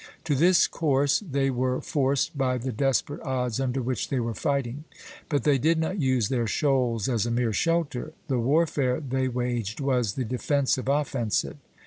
To this course they were forced by the desperate odds under which they were fighting; but they did not use their shoals as a mere shelter, the warfare they waged was the defensive offensive.